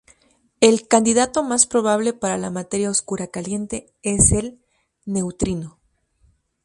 El candidato más probable para la materia oscura caliente es el neutrino.